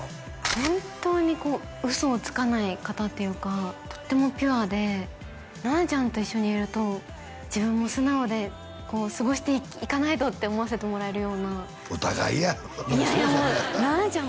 本当に嘘をつかない方っていうかとってもピュアで菜奈ちゃんと一緒にいると自分も素直で過ごしていかないとって思わせてもらえるようなお互いやろいやいやもう菜奈ちゃん